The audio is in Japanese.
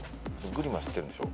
グリムは知ってるんでしょ？